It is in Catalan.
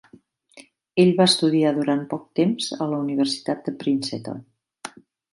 Ell va estudiar durant poc temps a la Universitat de Princeton.